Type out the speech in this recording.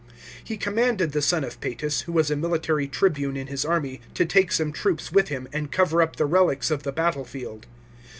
He commanded the son of Psetus, who was a military tribune in his army, to take some troops with him, and cover up the relics of the battlefield.